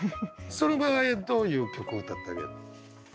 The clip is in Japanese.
その場合はどういう曲を歌ってあげるの？